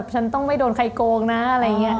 ฉันต้องไม่โดนใครโกงนะอะไรอย่างนี้